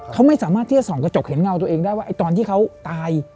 เขาไม่สามารถที่จะส่องกระจกเห็นเงาตัวเองได้ว่าไอ้ตอนที่เขาตาย